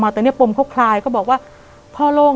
แต่ขอให้เรียนจบปริญญาตรีก่อน